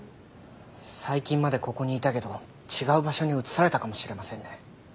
最近までここにいたけど違う場所に移されたかもしれませんね。